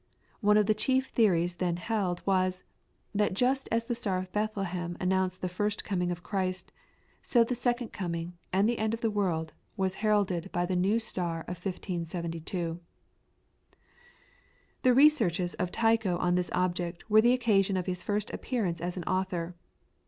One of the chief theories then held was, that just as the Star of Bethlehem announced the first coming of Christ, so the second coming, and the end of the world, was heralded by the new star of 1572. The researches of Tycho on this object were the occasion of his first appearance as an author.